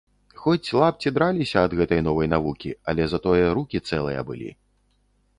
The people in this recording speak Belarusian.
Хоць лапці драліся ад гэтай новай навукі, але затое рукі цэлыя былі.